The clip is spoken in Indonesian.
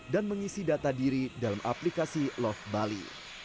dan mengisi data diri dalam aplikasi love bali